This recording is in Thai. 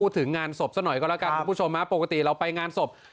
ถึงงานศพซะหน่อยก็แล้วกันคุณผู้ชมฮะปกติเราไปงานศพ